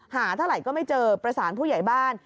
หาเท่าไหร่ก็ไม่เจอประสานผู้ใหญ่บ้าน